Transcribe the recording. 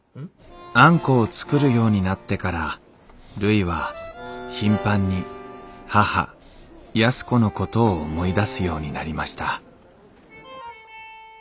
あんこを作るようになってからるいは頻繁に母安子のことを思い出すようになりましたＷｈｏｉｓｔｈｉｓ？